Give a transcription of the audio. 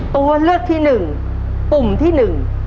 ตัวเลือกที่หนึ่งปุ่มที่หนึ่ง